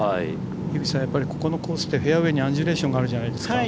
樋口さん、このコースってフェアウェーにアンジュレーションがあるじゃないですか。